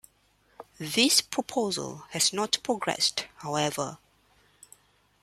This proposal has not progressed, however.